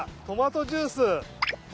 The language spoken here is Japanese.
トマトジュース！